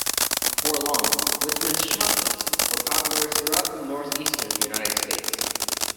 Before long, Whitman's chocolates were popular throughout the northeastern United States.